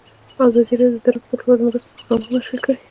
ازادي راډیو د ترانسپورټ لپاره د مرستو پروګرامونه معرفي کړي.